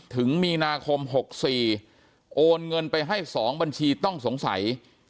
ถึงมีนาคม๖๔โอนเงินไปให้๒บัญชีต้องสงสัย